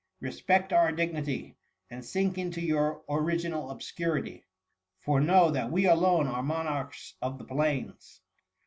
Respect our dignity and sink into your original obscurity r for, know that we alone are monarchs of the plains.""